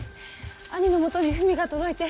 兄のもとに文が届いて。